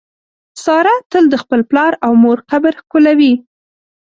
ساره تل د خپل پلار او مور قبر ښکلوي.